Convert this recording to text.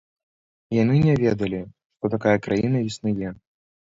Яны не ведалі, што такая краіна існуе.